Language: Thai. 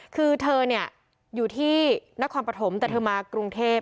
คือเธอเนี่ยอยู่ที่นครปฐมแต่เธอมากรุงเทพ